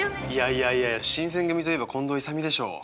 いやいやいやいや新選組といえば近藤勇でしょ。